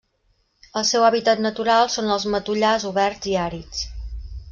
El seu hàbitat natural són els matollars oberts i àrids.